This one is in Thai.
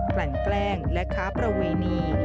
แกล้งแกล้งและค้าประเวณี